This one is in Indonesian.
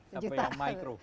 sampai yang micro